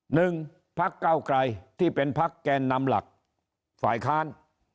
หนึ่งพักเก้าไกรที่เป็นพักแกนนำหลักฝ่ายค้าน